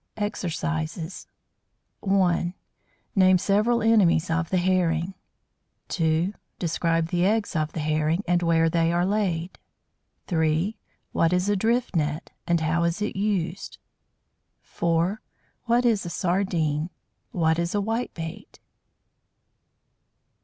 EXERCISES 1. Name several enemies of the Herring. 2. Describe the eggs of the Herring, and where they are laid. 3. What is a "drift net," and how is it used? 4. What is a Sardine? What is a "Whitebait?"